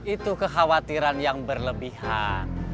itu kekhawatiran yang berlebihan